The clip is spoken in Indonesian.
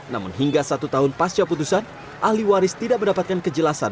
namun hingga satu tahun pasca putusan ahli waris tidak mendapatkan kejelasan